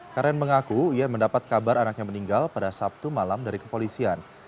karen mengaku ia mendapat kabar anaknya meninggal pada sabtu malam dari kepolisian